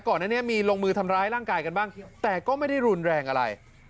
ก่อนหน้านี้มีลงมือทำร้ายร่างกายกันบ้างแต่ก็ไม่ได้รุนแรงอะไร